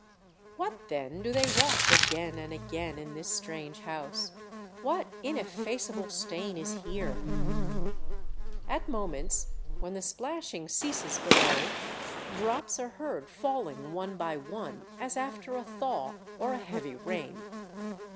What, then, do they wash again and again in this strange house? What ineffaceable stain is here? At moments, when the splashing ceases below, drops are heard falling one by one as after a thaw or a heavy rain.